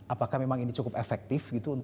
apakah memang ini cukup efektif gitu